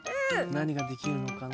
なにができるのかな？